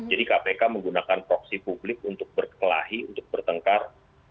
jadi kpk menggunakan proksi publik untuk berkelahi untuk bertengkar